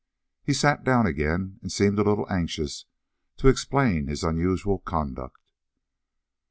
He sat down again, and seemed a little anxious to explain his unusual conduct.